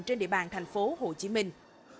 trên địa bàn thành phố hồ chí minh